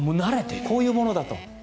こういうものだと。